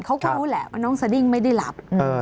เขาก็รู้แหละว่าน้องสดิ้งไม่ได้หลับ